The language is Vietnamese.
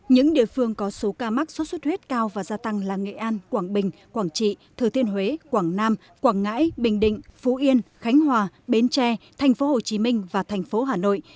những địa phương có số ca mắc số xuất huyết cao và gia tăng là nghệ an quảng bình quảng trị thừa thiên huế quảng nam quảng ngãi bình định phú yên khánh hòa bến tre thành phố hồ chí minh và thành phố hà nội